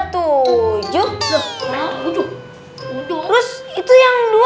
terus itu yang dua